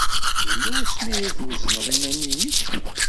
Yella wasmi ay twezneḍ iman-nnek?